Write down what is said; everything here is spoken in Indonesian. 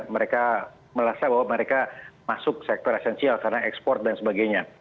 mereka merasa bahwa mereka masuk sektor esensial karena ekspor dan sebagainya